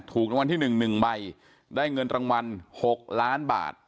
ถูกรางวัลที่๑๑ใบได้เงินรางวัล๖ล้านบาท